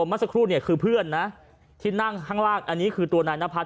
เมื่อสักครู่เนี่ยคือเพื่อนนะที่นั่งข้างล่างอันนี้คือตัวนายนพัฒ